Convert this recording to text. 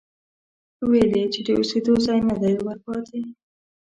ويل يې چې د اوسېدو ځای نه دی ورپاتې،